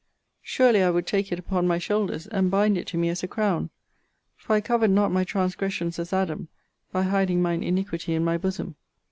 Surely, I would take it upon my shoulders, and bind it to me as a crown! for I covered not my transgressions as Adam, by hiding mine iniquity in my bosom.